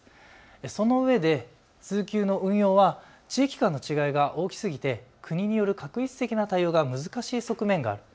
そのうえで通級の運用は地域間の違いが大きすぎて国による画一的な対応が難しい側面がある。